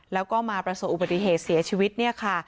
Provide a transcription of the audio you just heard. แล้วก็มาประสบอุบัติเหตุเสียชีวิตเนี่ยค่ะ